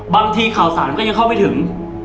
ข่าวสารก็ยังเข้าไม่ถึง